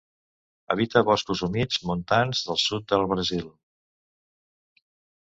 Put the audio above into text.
Habita boscos humits montans del sud del Brasil.